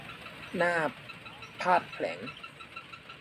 หน้าพาทย์แผลง